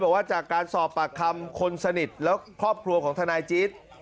บอกว่าจากการสอบปากคำคนสนิทและครอบครัวของทนายจี๊ด